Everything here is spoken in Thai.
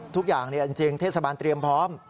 ทุกอย่างจริงเทศบาลเตรียมพร้อม